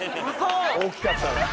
大きかったら」